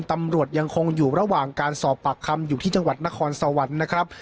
ตำรวจยังคงอยู่ระหว่างการสอบปากคำอยู่ที่จังหวัดนครสวรรค์นะครับ